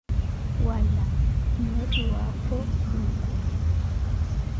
Wala, miyo ki waapho, ki nkumi.